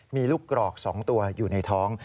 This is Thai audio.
มีลูกกรอก๒ตัวอยู่ในท้อง